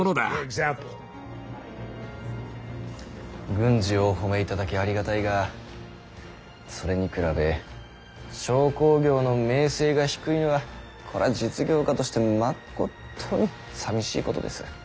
軍事をお褒めいただきありがたいがそれに比べ商工業の名声が低いのはこれは実業家としてまことにさみしいことです。